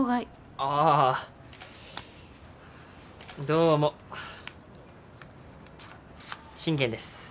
どうも信玄です。